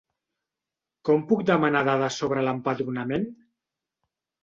Com puc demanar dades sobre l'empadronament?